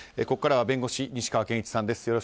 ここからは弁護士西川研一さんです。